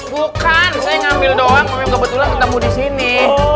bukan saya ngambil doang tapi kebetulan ketemu di sini